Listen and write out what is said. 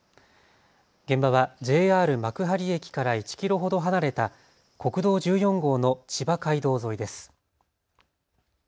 現場はＪＲ幕張駅から１キロほど離れた国道１４号の千葉街道沿いです。